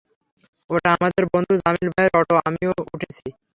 ওটা আমাদের বন্ধু জামিল ভাইয়ের অটো, আমিও উঠেছি।